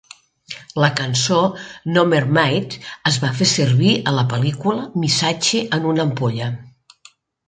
La cançó "No Mermaid" es va fer servir a la pel·lícula "Missatge en una ampolla".